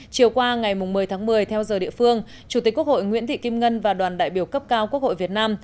chiều qua ngày một mươi tháng một mươi theo giờ địa phương chủ tịch quốc hội nguyễn thị kim ngân và đoàn đại biểu cấp cao quốc hội việt nam